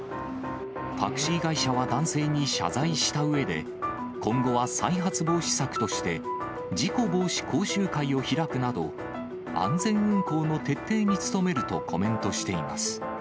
タクシー会社は男性に謝罪したうえで、今後は再発防止策として、事故防止講習会を開くなど、安全運行の徹底に努めるとコメントしています。